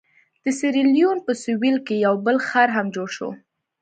د سیریلیون په سوېل کې یو بل ښار هم جوړ شو.